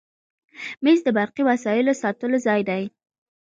مېز د برقي وسایلو ساتلو ځای دی.